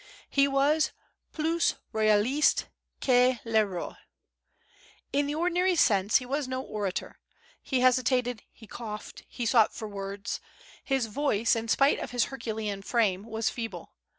He was plus royaliste que le roi. In the ordinary sense he was no orator. He hesitated, he coughed, he sought for words; his voice, in spite of his herculean frame, was feeble.